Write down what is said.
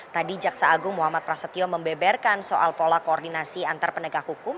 tadi jaksa agung muhammad prasetyo membeberkan soal pola koordinasi antar penegak hukum